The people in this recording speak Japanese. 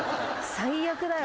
最悪だよ。